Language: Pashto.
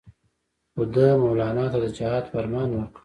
خو ده مولنا ته د جهاد فرمان ورکړ.